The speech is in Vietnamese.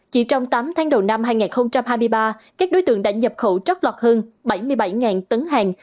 chỉ trong tám tháng đầu năm hai nghìn hai mươi ba các đối tượng đã nhập khẩu trót lọt hơn bảy mươi bảy tấn hàng